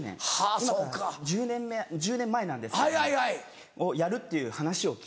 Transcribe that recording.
今から１０年前なんですけどをやるっていう話を聞いて。